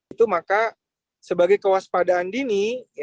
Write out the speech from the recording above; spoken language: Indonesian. itu maka sebagai kewaspadaan dini